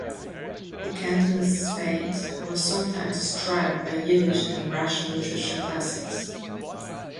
The cantonists' fate was sometimes described by Yiddish and Russian literature classics.